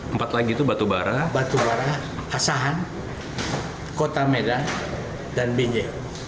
empat lagi itu batubara asahan kota medan dan binjai